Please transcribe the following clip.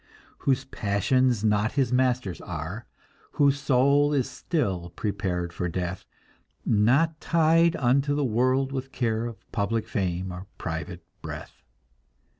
Whose passions not his masters are, Whose soul is still prepared for death, Not tied unto the world with care Of public fame, or private breath.